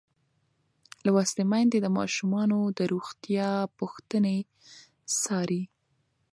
لوستې میندې د ماشومانو د روغتیا پوښتنې څاري.